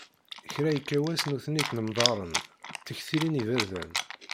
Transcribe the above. Kra yekka wass nutni ttnemḍaren, ttektilin iberdan.